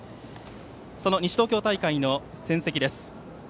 その西東京大会の戦績です。